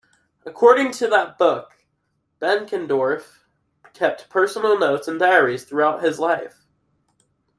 According to that book, Benckendorff kept personal notes and diaries throughout his life.